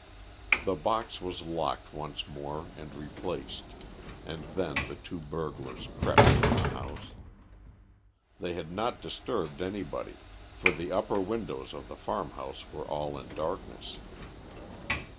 The box was locked once more and replaced, and then the two burglars crept from the house. They had not disturbed anybody, for the upper windows of the farmhouse were all in darkness.